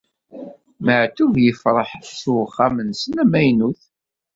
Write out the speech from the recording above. Maɛṭub yefreḥ s uxxam-nsen amaynut.